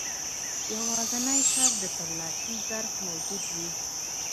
يوازنی شرط د ترلاسي ظرف موجود وي.